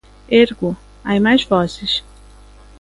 Ergo, hai máis voces.